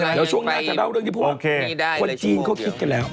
เดี๋ยวช่วงหน้าจะเล่าเรื่องนี้เพราะว่าคนจีนเขาคิดกันแล้ว